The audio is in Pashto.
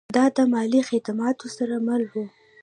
دا له مالي خدماتو سره مل و